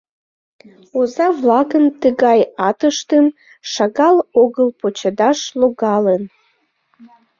— Оза-влакын тыгай атыштым шагал огыл почедаш логалын.